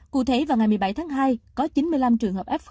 cụ thể vào ngày một mươi bảy tháng hai có chín mươi năm trường hợp f hai